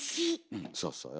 うんそうそうよ。